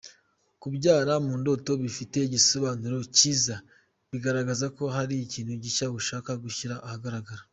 Kubyara mu ndoto bifite igisobanuro cyiza. Bigaragaza ko hari ikintu gishya ushaka gushyira ahagaragara.